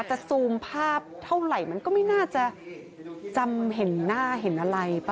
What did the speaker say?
ซูมภาพเท่าไหร่มันก็ไม่น่าจะจำเห็นหน้าเห็นอะไรป่